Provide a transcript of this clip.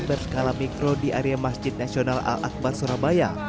berskala mikro di area masjid nasional al akbar surabaya